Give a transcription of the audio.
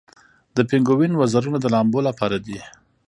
د پینګوین وزرونه د لامبو لپاره دي